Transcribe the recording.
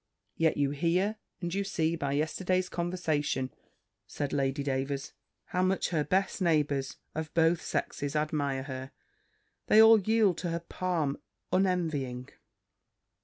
"Yet you hear, and you see by yesterday's conversation," said Lady Davers, "how much her best neighbours, of both sexes, admire her: they all yield to her the palm, unenvying."